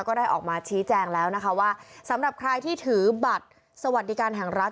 ก็ได้ออกมาชี้แจงแล้วนะคะว่าสำหรับใครที่ถือบัตรสวัสดิการแห่งรัฐ